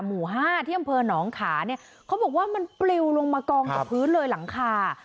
หมู่ห้าที่อำเภอหนองขาเนี่ยเขาบอกว่ามันปลิวลงมากองกับพื้นเลยหลังคา